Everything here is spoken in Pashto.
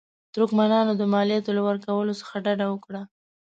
ترکمنانو د مالیاتو له ورکولو څخه ډډه وکړه.